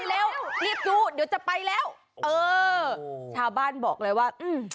เร็วรีบดูเดี๋ยวจะไปแล้วเออชาวบ้านบอกเลยว่าอืม